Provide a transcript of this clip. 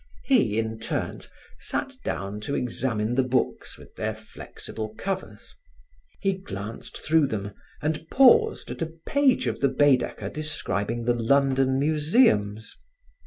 He, in turns, sat down to examine the books with their flexible covers. He glanced through them and paused at a page of the Baedeker describing the London museums.